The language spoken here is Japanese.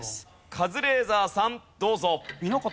カズレーザーさんどうぞ。